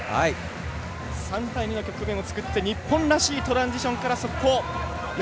３対２の局面を作って日本らしいトランジションから速攻。